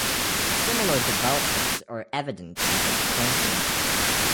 Similar developments are evident in his printmaking.